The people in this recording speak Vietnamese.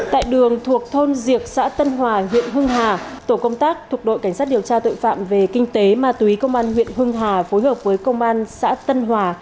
tại đường thuộc thôn diệp xã tân hòa huyện hưng hà tổ công tác thuộc đội cảnh sát điều tra tội phạm về kinh tế ma túy công an huyện hưng hà phối hợp với công an xã tân hòa